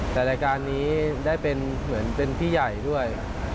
แต่รายการนี้ได้เป็นเหมือนเป็นพี่ใหญ่ด้วย